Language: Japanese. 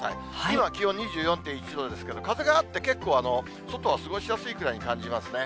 今は気温２４．１度ですけれども、風があって、結構、外は過ごしやすいくらいに感じますね。